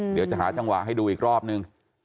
เดี๋ยวจะหาจังหวะให้ดูอีกรอบนึง